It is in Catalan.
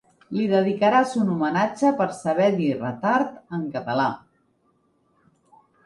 Li dedicaràs un homenatge per saber dir retard en català.